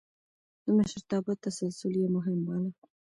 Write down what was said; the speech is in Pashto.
د مشرتابه تسلسل يې مهم باله.